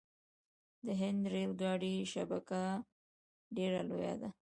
د هند ریل ګاډي شبکه ډیره لویه ده.